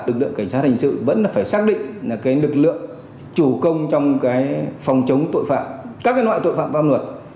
lực lượng cảnh sát thành sự vẫn phải xác định lực lượng chủ công trong phòng chống tội phạm các loại tội phạm pháp luật